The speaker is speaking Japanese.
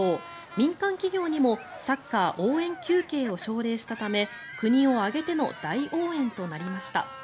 民間企業にもサッカー応援休憩を奨励したため国を挙げての大応援となりました。